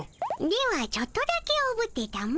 ではちょっとだけおぶってたも。